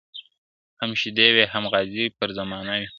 هم شهید وي هم غازي پر زمانه وي !.